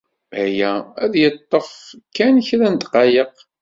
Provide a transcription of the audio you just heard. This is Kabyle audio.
Aya ad yeḍḍef kan kra n ddqayeq.